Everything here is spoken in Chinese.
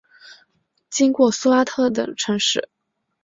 经过苏拉特等城市。